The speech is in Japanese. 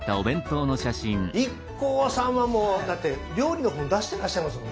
ＩＫＫＯさんはもうだって料理の本出してらっしゃいますもんね。